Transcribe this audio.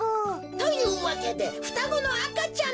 というわけでふたごのあかちゃんなのだ！